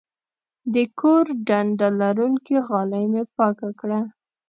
د کور ډنډه لرونکې غالۍ مې پاکه کړه.